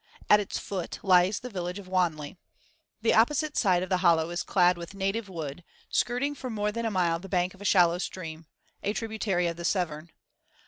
At its foot lies the village of Wanley. The opposite side of the hollow is clad with native wood, skirting for more than a mile the bank of a shallow stream, a tributary of the Severn.